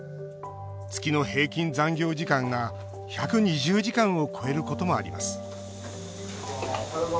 月の平均残業時間が１２０時間を超えることもあります